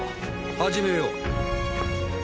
始めよう。